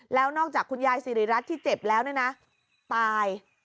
แล้วนอกจากคุณยายสิริรัตน์ที่เจ็บแล้วเนี่ยนะตาย